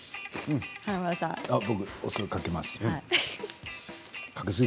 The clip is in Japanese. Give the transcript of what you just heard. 僕、お酢かけます。